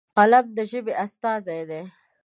قلم د ژبې استازی دی.